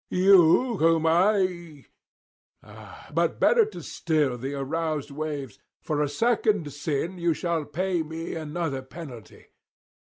you whom I But better to still the aroused waves; for a second sin you shall pay me another penalty.